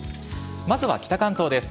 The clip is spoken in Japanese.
まずは北関東です。